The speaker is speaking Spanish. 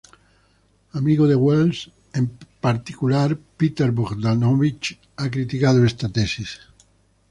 Amigos de Welles, en particular, Peter Bogdanovich, ha criticado esta tesis.